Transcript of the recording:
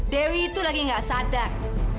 dewi itu lagi nggak sadar